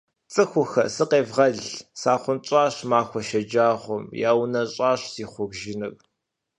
Цӏыхухэ! Сыкъевгъэл! Сахъунщӏащ махуэ шэджагъуэм. Яунэщӏащ си хъуржыныр.